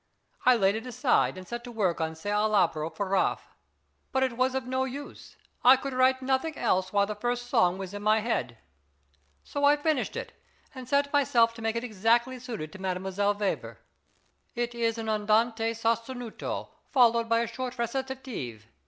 I laid it aside, and set to work on "Se al labro" for Raaff. But it was of no use, I could write nothing else while the first song was in my head. So I finished it, and set myself to make it exactly suited to Mdlle. Weber. It is an andante sostenuto, following a short recitative.